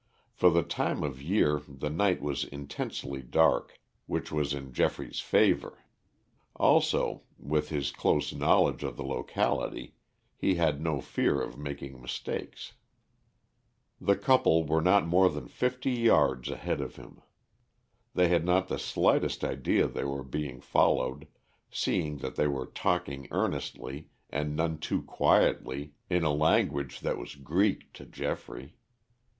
For the time of year the night was intensely dark, which was in Geoffrey's favor. Also, with his close knowledge of the locality, he had no fear of making mistakes. The couple were not more than fifty yards ahead of him. They had not the slightest idea they were being followed, seeing that they were talking earnestly and none too quietly in a language that was Greek to Geoffrey.